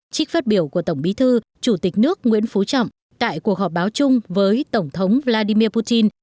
trích phát biểu của tổng bí thư chủ tịch nước nguyễn phú trọng tại cuộc họp báo chung với tổng thống vladimir putin